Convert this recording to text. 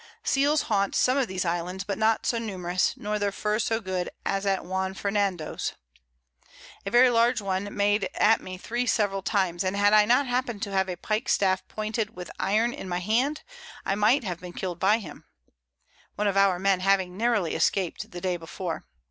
Seals haunt some of these Islands, but not so numerous, nor their Fur so good as at Juan Fernando's. A very large one made at me 3 several times, and had I not happen'd to have a Pike staff pointed with Iron in my Hand, I might have been kill'd by him; (one of our Men having narrowly escap'd the Day before.)